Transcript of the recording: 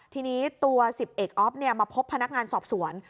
ทีนี้ตัว๑๐เอกอ๊อฟมาพบพนักงานสอบสวน